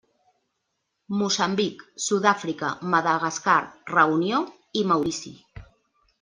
Moçambic, Sud-àfrica, Madagascar, Reunió i Maurici.